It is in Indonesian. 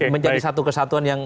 menjadi satu kesatuan